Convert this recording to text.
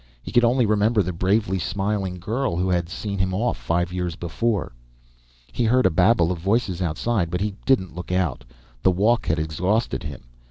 He could only remember the bravely smiling girl who had seen him off five years before. He heard a babble of voices outside, but he didn't look out. The walk had exhausted him.